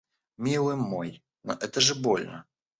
Милый мой, но это же больно!